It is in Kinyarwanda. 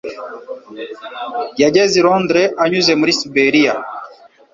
Yageze i Londres anyuze muri Siberiya.